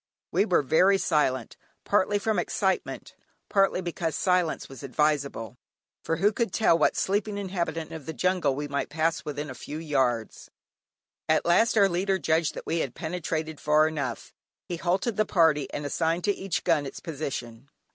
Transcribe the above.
We were very silent, partly from excitement, partly because silence was advisable; for who could tell what sleeping inhabitant of the jungle we might pass within a few yards. At last our leader judged that we had penetrated far enough; he halted the party, and assigned to each gun its position.